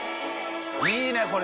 いいこれ！